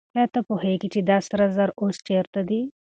آیا ته پوهېږې چې دا سره زر اوس چېرته دي؟